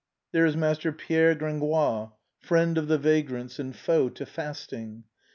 There is Master Pierre Gringoire, friend of the vagrants and foe to fasting.